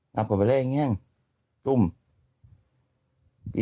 นับกลัวไปเลยอย่างนี้